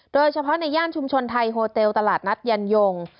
โดยเฉพาะในย่านชุมชนไทยโฮเตลตลาดนัดยันยง